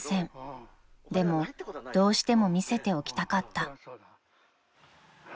［でもどうしても見せておきたかった］